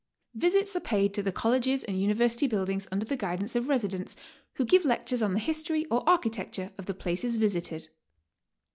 Visits are paid to the Colleges and University buildings under the guidance of residents, who give lectures on the history or architecture of the places visited.